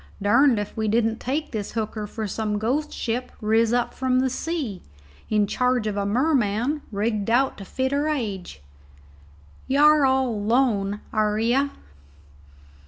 Durned if we didn't take this hooker for some ghost ship riz from the sea, in charge of a merman rigged out to fit her age. Y' are all alone, air you?"